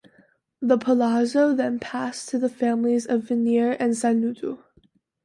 The palazzo then passed to the families of Venier and Sanudo.